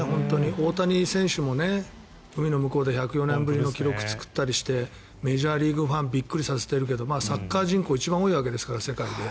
大谷選手も海の向こうで１０４年ぶりの記録を作ったりしてメジャーリーグファンをびっくりさせてるけどサッカー人口一番多いわけですから、世界で。